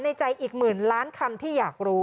ในใจอีกหมื่นล้านคำที่อยากรู้